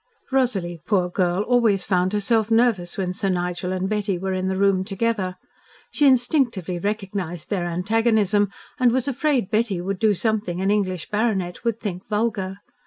Rosalie, poor girl, always found herself nervous when Sir Nigel and Betty were in the room together. She instinctively recognised their antagonism and was afraid Betty would do something an English baronet would think vulgar.